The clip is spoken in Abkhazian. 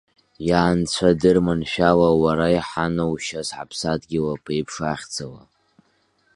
Иа, Анцәа, дырманшәала уара иҳаноушьаз ҳаԥсадгьыл аԥеиԥш ахьӡала!